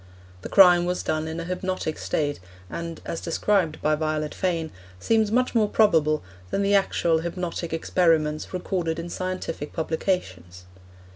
The crime was done in a hypnotic state, and, as described by Violet Fane, seems much more probable than the actual hypnotic experiments recorded in scientific publications.